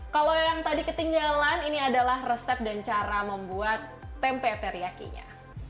kalau yang tadi ketinggalan ini adalah resep dan cara membuat tempe teriyakinya